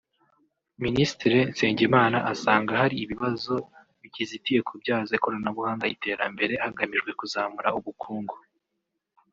Minisitiri Nsengimana asanga hari ibibazo bikizitiye kubyaza ikoranabuhanga iterambere hagamijwe kuzamura ubukungu